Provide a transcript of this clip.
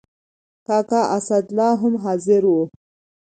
کاکا اسدالله هم حاضر و.